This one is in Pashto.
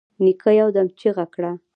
نيکه يودم چيغه کړه.